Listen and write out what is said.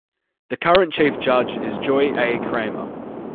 The current chief judge is Joy A. Kramer.